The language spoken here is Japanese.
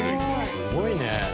すごいね！